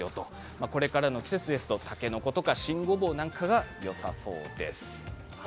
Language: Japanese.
これからの季節ですとたけのこや新ごぼうなんかがよさそうです。